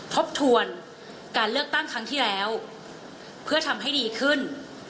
ทบทวนการเลือกตั้งครั้งที่แล้วเพื่อทำให้ดีขึ้น